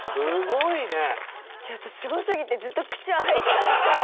ちょっとすごすぎてずっと口開いちゃって。